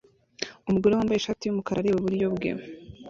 Umugore wambaye ishati yumukara areba iburyo bwe